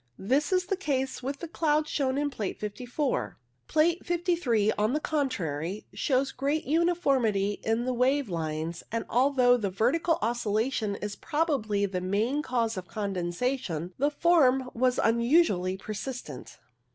This was the case 136 WAVE CLOUDS with the clouds shown in Plate 54. Plate 53, on the contrary, shows great uniformity in the wave lines, and although the vertical oscillation is probably the main cause of condensation, the form was unusually persistent.